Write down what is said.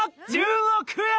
１０億円！